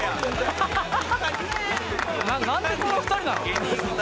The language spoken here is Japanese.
なんでこの２人なの。